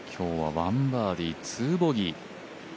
今日は１バーディー、２ボギー。